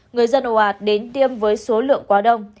người dân ồ ạt đến tiêm với số lượng quá đông